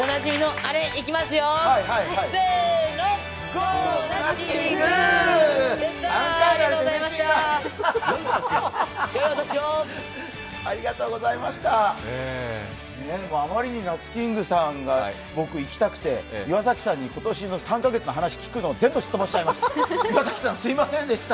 あまりになつキングさんが僕いきたくて岩崎さんに今年３カ月の話を聞くの全部すっ飛ばしました。